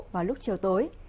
vào lúc chiều tối